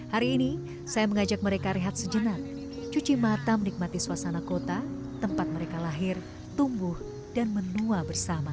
hari ini saya mengajak mereka rehat sejenak cuci mata menikmati suasana kota tempat mereka lahir tumbuh dan menua bersama